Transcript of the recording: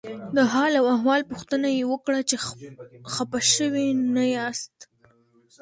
د حال او احوال پوښتنه یې وکړه چې خپه شوي نه یاست.